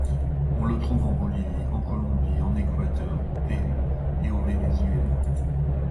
On le trouve en Bolivie, en Colombie, en Équateur, au Pérou et au Venezuela.